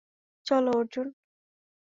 চলো, অর্জুন।